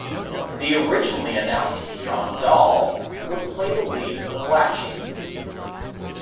The originally announced John Dall would play the lead of Lachie.